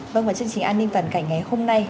vâng và chương trình an ninh toàn cảnh ngày hôm nay